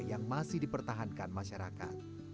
yang masih dipertahankan masyarakat